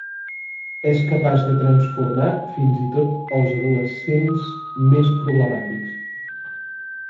És capaç de transformar fins i tot als adolescents més problemàtics.